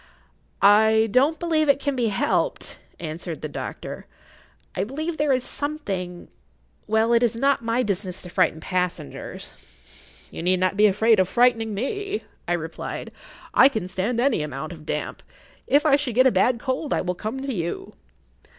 "I don't believe it can be helped," answered the doctor. "I believe there is something—well, it is not my business to frighten passengers." "You need not be afraid of frightening me," I replied. "I can stand any amount of damp. If I should get a bad cold I will come to you."